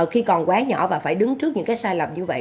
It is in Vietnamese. khi còn quá nhỏ và phải đứng trước những cái sai lầm như vậy